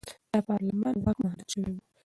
د پارلمان واک محدود شوی و.